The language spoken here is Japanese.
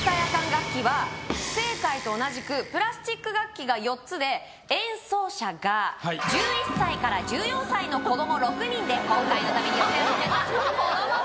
楽器は不正解と同じくプラスチック楽器が４つで演奏者が１１歳から１４歳の子ども６人で今回のために寄せ集めた子ども